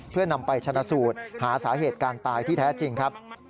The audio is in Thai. เพื่อนำไปชนะสูตรหาสาเหตุการตายที่แท้จริงครับ